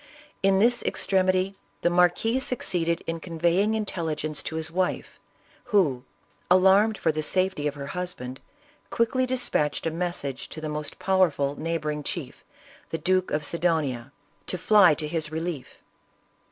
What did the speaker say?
In this extremity the marquis succeeded in conveying intelli gence to his wife, who, alarmed for the safety of her husband, quickly dispatched a message to the most powerful neighboring chief, the Duke of Sidonia, to fly to his relief.